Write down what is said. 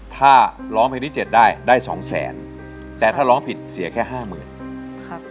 ถ้าร้องเพลงที่๗ได้ได้๒๐๐๐๐๐บาทแต่ถ้าร้องผิดเสียแค่๕๐๐๐๐บาท